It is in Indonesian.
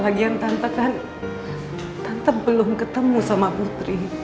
lagian tante kan tante belum ketemu sama putri